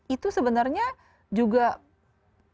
itu sebenarnya juga sedikit harus berseratus